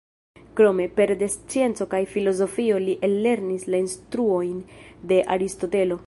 Krome, pere de scienco kaj filozofio li ellernis la instruojn de Aristotelo.